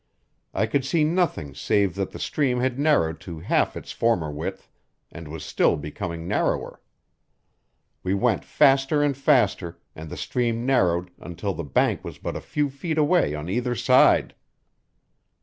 I could see nothing save that the stream had narrowed to half its former width, and was still becoming narrower. We went faster and faster, and the stream narrowed until the bank was but a few feet away on either side.